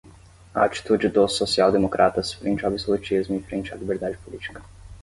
a atitude dos social-democratas frente ao absolutismo e frente à liberdade política